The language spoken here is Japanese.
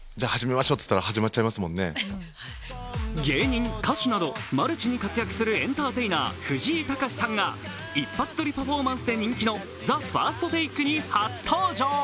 芸人・歌手などマルチに活躍するエンターテイナー藤井隆さんが一発撮りパフォーマンスの「ＴＨＥＦＩＲＳＴＴＡＫＥ」に初登場。